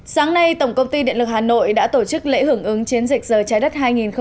sáng nay tổng công ty điện lực hà nội đã tổ chức lễ hưởng ứng chiến dịch giờ trái đất hai nghìn một mươi chín